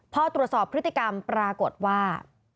พอตรวจสอบพฤติกรรมปรากฏว่า